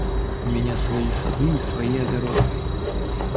У меня свои сады и свои огороды.